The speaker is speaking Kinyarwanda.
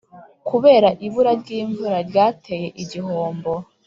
kubera ibura ry’imvura ryateye igihombo